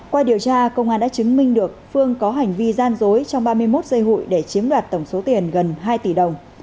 qua điều tra công an đã chứng minh được phương có hành vi gian dối trong ba mươi một giây hụi để chiếm đoạt tổng số tiền gần hai tỷ đồng